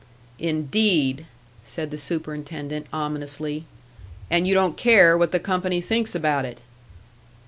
"Indeed!" said the superintendent, ominously. "And you don't care what the company thinks about it!"